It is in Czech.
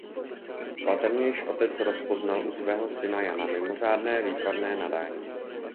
Patrně již otec rozpoznal u svého syna Jana mimořádné výtvarné nadání.